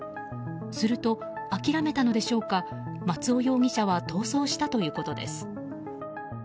すると、諦めたのでしょうか松尾容疑者は逃走したということです。